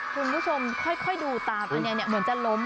คุณผู้ชมค่อยดูตามอันนี้เหมือนจะล้ม